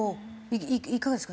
いかがですか？